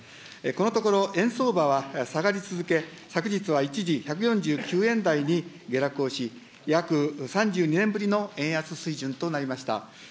このところ、円相場は下がり続け、昨日は一時、１４９円台に下落をし、約３２年ぶりの円安水準となりました。